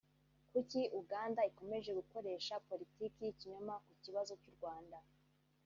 Kuki Uganda Ikomeje Gukoresha Politiki Y’ikinyoma Ku Kibazo Cy’u Rwanda